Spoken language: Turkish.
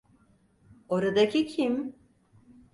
Oradaki kim?